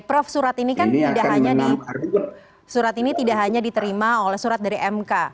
prof surat ini kan tidak hanya diterima oleh surat dari mk